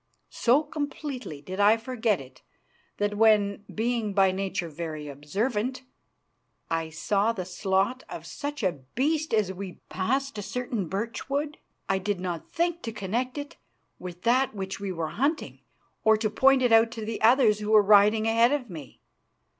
So completely did I forget it that when, being by nature very observant, I saw the slot of such a beast as we passed a certain birch wood, I did not think to connect it with that which we were hunting or to point it out to the others who were riding ahead of me.